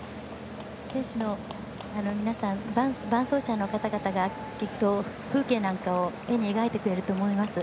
選手の皆さん伴走者の方々がきっと風景なんかを絵に描いてくれると思います。